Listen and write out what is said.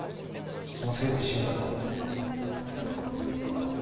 そのせいで死んだと。